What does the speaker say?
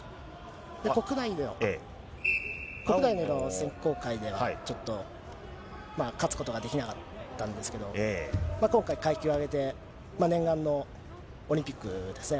国内での選考会ではちょっと勝つことができなかったんですけど、今回、階級を上げて、念願のオリンピックですね。